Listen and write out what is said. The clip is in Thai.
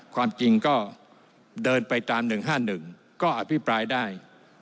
ความจริงก็เดินไปตาม๑๕๑ก็อภิปรายได้